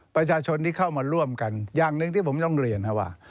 ประชาชนที่เข้ามาร่วมกันอย่างหนึ่งที่ผมต้องเรียนว่า